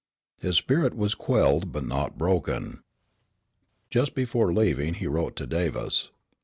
His spirit was quelled, but not broken. Just before leaving, he wrote to Davis.